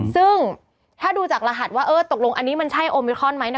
ซึ่งถ้าดูจากรหัสว่าเออตกลงอันนี้มันใช่โอมิครอนไหมนะ